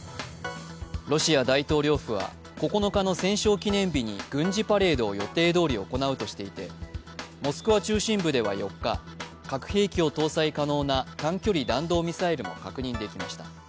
ロシア大統領府は９日の戦勝記念日に軍事パレードを予定どおり行うとしていて、モスクワ中心部では４日、核兵器を搭載可能な短距離弾道ミサイルも確認できました。